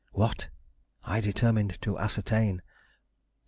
What? I determined to ascertain.